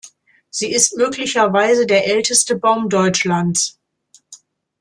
Sie ist möglicherweise der älteste Baum Deutschlands.